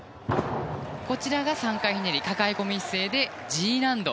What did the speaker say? こちらが３回ひねり抱え込み姿勢でＧ難度。